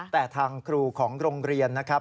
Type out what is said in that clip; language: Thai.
แต่ทางครูของโรงเรียนนะครับ